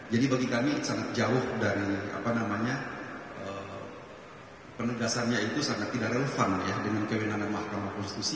jadi bagi kami sangat jauh dari penegasannya itu sangat tidak relevan dengan kewenangan mahkamah konstitusi